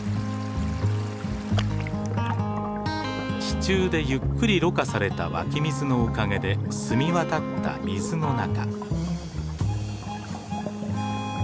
地中でゆっくりろ過された湧き水のおかげで澄み渡った水の中。